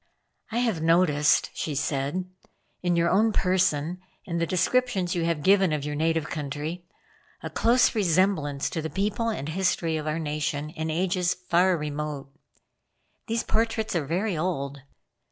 "I have noticed," she said, "in your own person and the descriptions you have given of your native country, a close resemblance to the people and history of our nation in ages far remote. These portraits are very old.